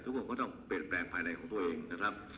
ทุกคนก็ต้องเปลี่ยนแปลงภายในของตัวเองนะครับ